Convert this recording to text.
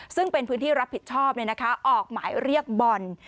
ซึ่งเป็นพื้นที่รับผิดชอบเนี่ยนะคะออกหมายเรียกบ่น